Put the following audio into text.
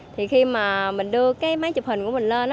thì khi mà mình đưa cái máy chụp hình của mình lên